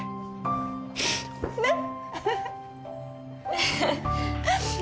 ねっ。